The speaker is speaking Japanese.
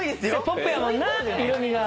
トップやもんな。